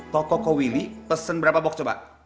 toko koko willy pesen berapa box pak